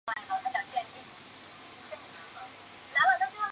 引江济太工程是引长江水进入太湖的调水工程。